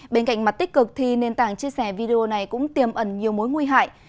bên cạnh mặt tích cực thì nền tảng chia sẻ video này cũng tiềm ẩn nhiều mối nguy hại